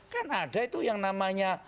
kan ada itu yang namanya